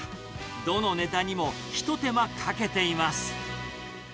どのネタにも一手間かけています。